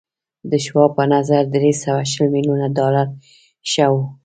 د شواب په نظر درې سوه شل ميليونه ډالر ښه و